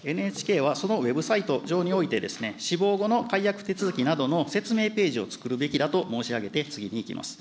ＮＨＫはそのウェブサイト上において、死亡後の解約手続きなどの説明ページを作るべきだと申し上げて次にいきます。